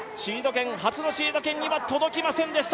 初のシード権には届きませんでした。